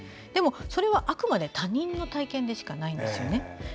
でも、それはあくまで他人の体験でしかないんですよね。